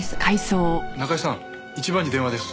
中井さん１番に電話です。